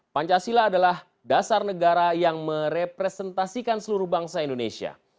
pancasila adalah dasar negara yang merepresentasikan seluruh bangsa indonesia